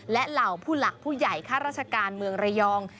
และเหล่าผู้หลักผู้ใหญ่ข้าราชการเมืองระยอง